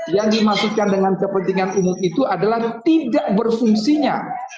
yang dimasukkan dengan kepentingan umum itu adalah tidak berfungsinya